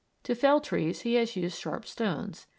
To fell trees he has used sharp stones.